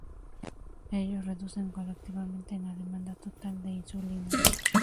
Ellos reducen colectivamente la demanda total de insulina.